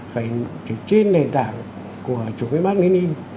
phải trên nền tảng của chủ nghĩa bác nguyễn yên